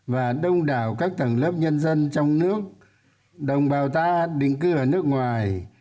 và đông đảo các tầng lớp nhân dân trong nước đồng bào ta định cư ở nước ngoài